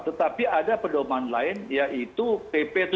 tetapi ada pedomaan lain yaitu pp tujuh puluh delapan